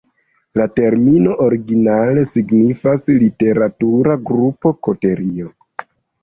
La termino originale signifas "literatura grupo","koterio".